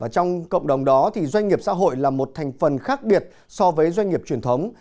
trong cộng đồng đó doanh nghiệp xã hội là một thành phần khác biệt so với doanh nghiệp truyền thống